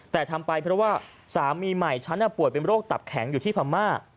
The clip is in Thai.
แต่ทำไปเพราะว่าสามีใหม่ฉันป่วยเป็นโรคตับแข็งอยู่ที่พม่า